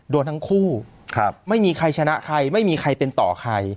โดนทั้งคู่ไม่มีใครชนะใครไม่มีใครเป็นต่อใคร